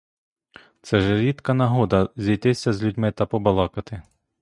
Це ж рідка нагода — зійтися з людьми та побалакати.